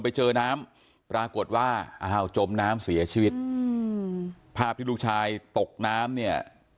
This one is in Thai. ไปเจอน้ำปรากฏว่าอ้าวจมน้ำเสียชีวิตอืมภาพที่ลูกชายตกน้ำเนี่ย